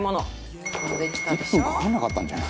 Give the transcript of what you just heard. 「１分かかんなかったんじゃない？」